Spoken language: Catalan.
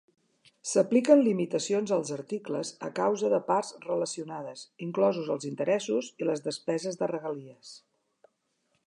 S'apliquen limitacions als articles a causa de parts relacionades, inclosos els interessos i les despeses de regalies.